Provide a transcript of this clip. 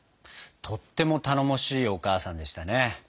とっても頼もしいお母さんでしたね。